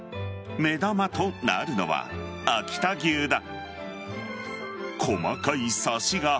目玉となるのは秋田牛だ。